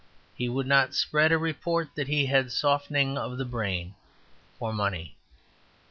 He would not spread a report that he had softening of the brain, for money.